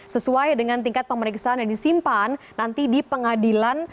sesuai dengan tingkat pemeriksaan yang disimpan nanti di pengadilan